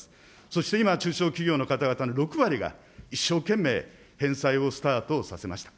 そして今、中小企業の方々の６割が一生懸命返済をスタートさせました。